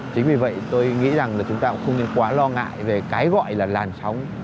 chính vì vậy tôi nghĩ rằng là chúng ta cũng không nên quá lo ngại về cái gọi là làn sóng